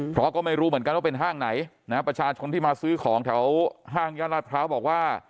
เพราะก็ไม่รู้เหมือนกันว่าเป็นห้างไหนนะประชาชนที่มาซื้อของแถวห้างย่านราชพร้าวบอกว่า